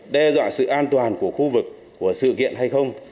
đe dọa sự an toàn của khu vực của sự kiện hay không